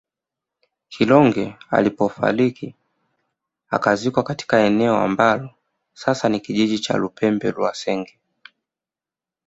Kilonge alipofariki akazikwa katika eneo ambalo sasa ni kijiji cha Lupembe lwa Senga